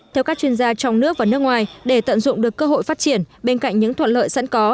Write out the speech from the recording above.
theo các chuyên gia trong nước và nước ngoài để tận dụng được cơ hội phát triển bên cạnh những thuận lợi sẵn có